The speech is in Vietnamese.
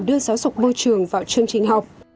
đưa giáo dục môi trường vào chương trình học